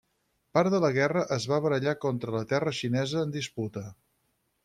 Part de la guerra es va barallar contra la terra xinesa en disputa.